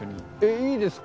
いいですか？